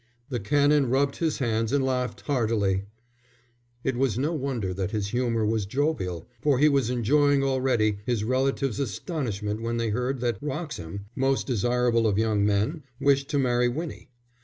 The Canon rubbed his hands and laughed heartily. It was no wonder that his humour was jovial, for he was enjoying already his relatives' astonishment when they heard that Wroxham, most desirable of young men, wished to marry Winnie.